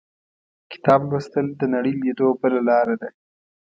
• کتاب لوستل، د نړۍ لیدو بله لاره ده.